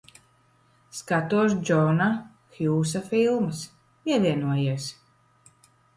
Skatos Džona Hjūsa filmas. Pievienojies.